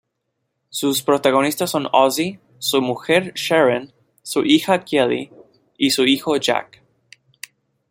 Sus protagonistas son Ozzy, su mujer Sharon, su hija Kelly y su hijo Jack.